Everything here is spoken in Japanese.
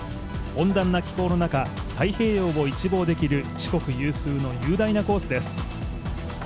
温暖な気候の中太平洋を一望できる四国有数の雄大なコースです。